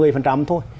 một mươi phần trăm thôi